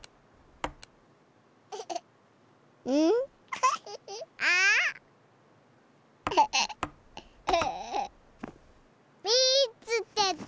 うん？あっ！みつけた！